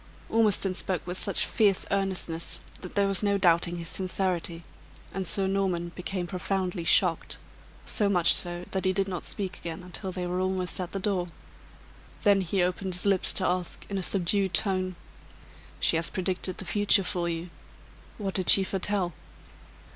Ormiston spoke with such fierce earnestness, that there was no doubting his sincerity; and Sir Norman became profoundly shocked so much so, that he did not speak again until they were almost at the door. Then he opened his lips to ask, in a subdued tone: "She has predicted the future for you what did she foretell?"